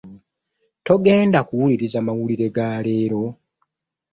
Togenda kuwuliriza mawulire ga leero?